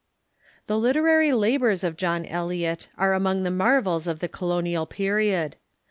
The literary labors of John Eliot are among the marvels of the Colonial Period.